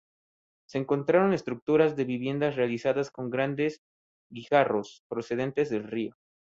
Se encontraron estructuras de viviendas realizadas con grandes guijarros procedentes del río.